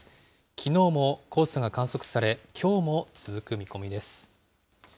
きのうも黄砂が観測され、きょうも続く見込みです。